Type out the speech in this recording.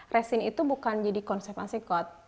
resin itu bukan jadi konsep asikot